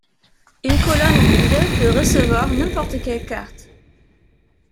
Une colonne vide peut recevoir n'importe quelle carte.